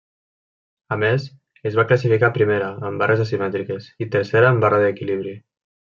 A més, es va classificar primera en barres asimètriques i tercera en barra d'equilibri.